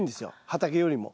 畑よりも。